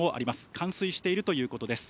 冠水しているということです。